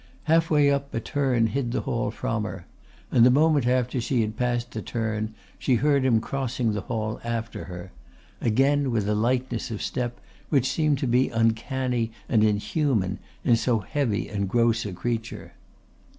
Halfway up a turn hid the hall from her, and the moment after she had passed the turn she heard him crossing the hall after her, again with a lightness of step which seemed to be uncanny and inhuman in so heavy and gross a creature.